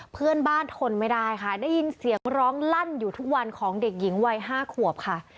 เพื่อนบ้านทนไม่ได้ค่ะได้ยินเสียงร้องลั่นอยู่ทุกวันของเด็กหญิงวัย๕ขวบค่ะ